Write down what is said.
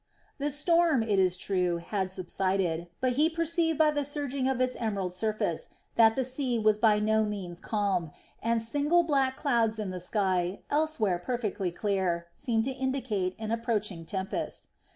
The storm, it is true, had subsided, but he perceived by the surging of its emerald surface that the sea was by no means calm, and single black clouds in the sky, elsewhere perfectly clear, seemed to indicate an approaching tempest.